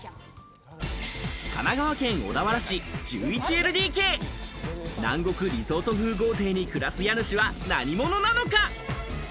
神奈川県小田原市１１ＬＤＫ、南国リゾート風豪邸に暮らす家主は何者なのか？